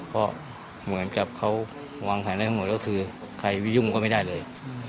เพราะเหมือนกับเขาวางแผนได้ทั้งหมดก็คือใครวิยุ่งก็ไม่ได้เลย